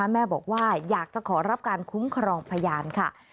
แม่บอกว่าอยากจะขอรับการคุ้มครองพยานค่ะ